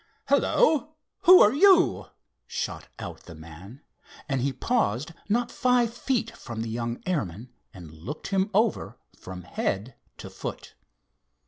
"Hello, who are you?" shot out the man, and he paused not five feet from the young airman and looked him over from head to foot.